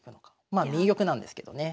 まあ右玉なんですけどね。